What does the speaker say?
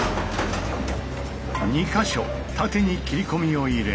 ２か所縦に切り込みを入れ。